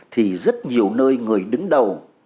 thì rất nhiều nơi người đứng đầu